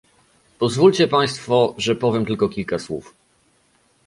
Pozwólcie państwo, że powiem tylko kilka słów